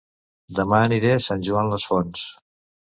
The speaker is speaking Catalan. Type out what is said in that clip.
Dema aniré a Sant Joan les Fonts